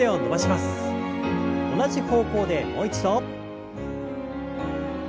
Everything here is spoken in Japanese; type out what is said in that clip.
同じ方向でもう一度。